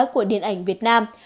của điện ảnh việt nam